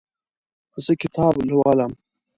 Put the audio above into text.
زه کتابونه لولم